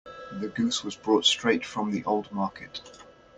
The goose was brought straight from the old market.